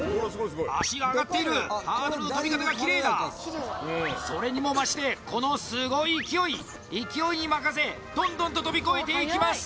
脚が上がっているハードルの跳び方がキレイだそれにも増してこのすごい勢い勢いに任せどんどんと跳び越えていきます